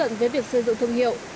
rất cần với việc xây dựng thương hiệu